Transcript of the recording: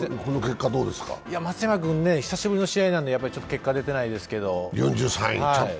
松山君、久しぶりの試合なんでちょっと結果が出ていないですけれども。